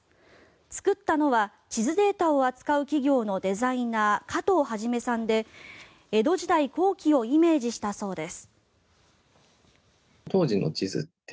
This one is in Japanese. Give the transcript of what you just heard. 作ったのは地図データを扱う企業のデザイナー、加藤創さんで江戸時代後期をイメージしたそうです。